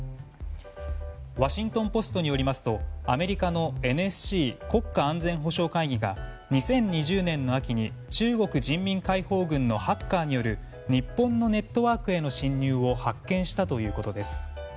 ワシントン・ポストによりますとアメリカのＮＳＣ・国家安全保障会議が２０２０年の秋に中国人民解放軍のハッカーによる日本のネットワークへの侵入を発見したということです。